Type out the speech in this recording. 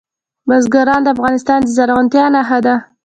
بزګان د افغانستان د زرغونتیا نښه ده.